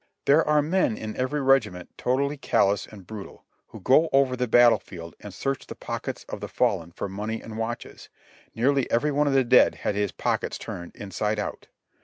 There are men in every regiment totally callous and brutal, who go over the battle field and search the pockets of the fallen for money and watches ; nearly every one of the dead had his pockets turned inside out.